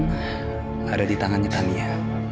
ada di tangannya tania